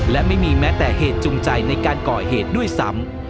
และไม่มีแม้แต่เหตุจูงใจในการก่อเหตุด้วยซ้ำ